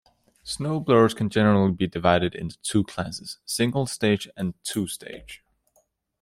Snow blowers can generally be divided into two classes: single-stage and two-stage.